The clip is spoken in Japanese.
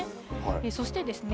そしてですね